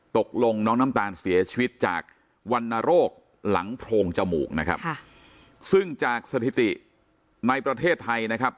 ตกลงน้องน้ำตาลเสียชีวิตจากวรรณโรคหลังโพรงจมูกนะครับค่ะซึ่งจากสถิติในประเทศไทยนะครับ